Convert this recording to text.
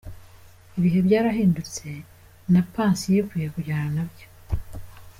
Ibihe byarahindutse, na Pansiyo ikwiye kujyana na byo’.